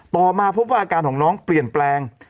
มาพบว่าอาการของน้องเปลี่ยนแปลง